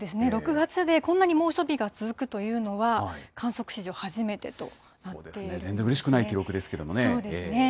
６月でこんなに猛暑日が続くというのは観測史上初めてとなってい全然うれしくない記録ですけそうですね。